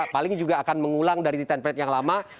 paling juga akan mengulang dari template yang lama